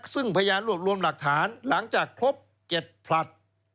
ซึ่งพยานรวบรวมหลักฐานหลังจากครบ๗ผลัด